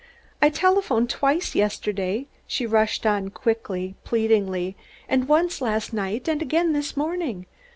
"I telephoned twice yesterday," she rushed on quickly, pleadingly, "and once last night and again this morning.